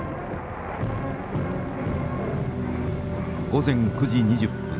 午前９時２０分。